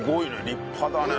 立派だね。